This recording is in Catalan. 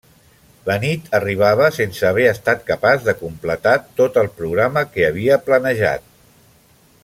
La nit arribava sense haver estat capaç de completar tot el programa que havia planejat.